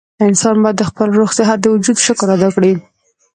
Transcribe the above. انسان بايد د خپل روغ صحت د وجود شکر ادا کړي